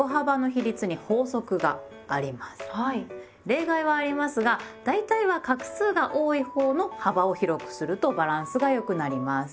例外はありますが大体は画数が多いほうの幅を広くするとバランスが良くなります。